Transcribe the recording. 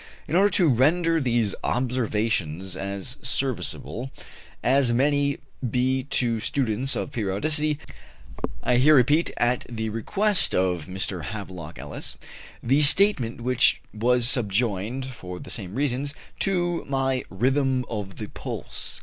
In order to render these observations as serviceable as may be to students of periodicity, I here repeat (at the request of Mr. Havelock Ellis) the statement which was subjoined, for the same reasons, to my "Rhythm of the Pulse."